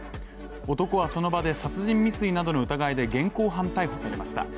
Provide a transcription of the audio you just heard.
男はその場で殺人未遂などの疑いで現行犯逮捕されました。